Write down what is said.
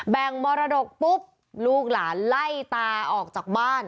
มรดกปุ๊บลูกหลานไล่ตาออกจากบ้าน